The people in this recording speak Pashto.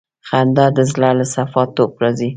خندا د زړه له صفا توب راځي.